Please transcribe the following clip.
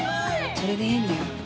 それでいいんだよ。